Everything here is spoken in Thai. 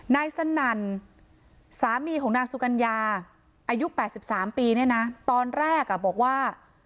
นายสนั่นสามีของนางสุกัญญาอายุ๘๓ปีเนี่ยนะตอนแรกบอกว่า